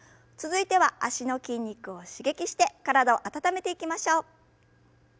続いては脚の筋肉を刺激して体を温めていきましょう。